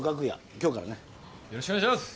今日からねよろしくお願いします